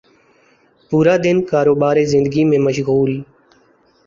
پورا دن کاروبار زندگی میں مشغول